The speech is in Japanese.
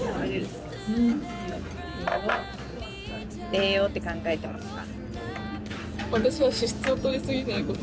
栄養って考えてますか？